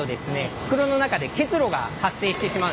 袋の中で結露が発生してしまうんですね。